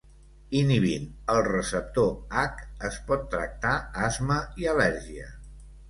Inhibint el receptor H es pot tractar asma i al·lèrgia.